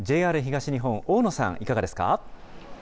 ＪＲ東日本、大野さん、いかがですか。